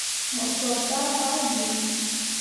Mo sop zah fah gǝǝ.